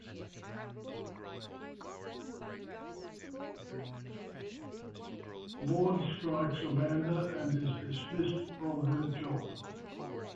Maud strikes Amanda and is dismissed from her job.